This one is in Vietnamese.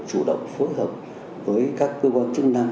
chủ động phối hợp với các cơ quan chức năng